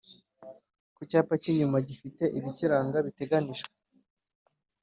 ku cyapa cy'inyuma gifite ibikiranga biteganijwe